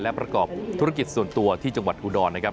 และประกอบธุรกิจส่วนตัวที่จังหวัดอุดรนะครับ